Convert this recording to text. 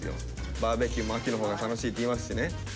バーベキューも秋の方が楽しいっていいますしね。